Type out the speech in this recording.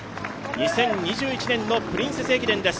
２０２１年のプリンセス駅伝です。